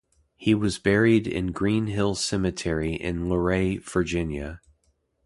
He was buried in Green Hill Cemetery in Luray, Virginia.